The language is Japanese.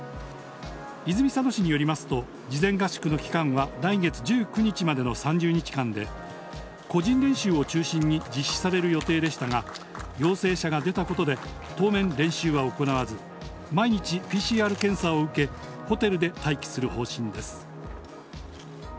泉佐野市によりますと、事前合宿の期間は来月１９日までの３０日間で、個人練習を中心に実施される予定でしたが、陽性者が出たことで、当面練習は行わず、毎日ＰＣＲ検査を受け、ホテルで待機する方針です。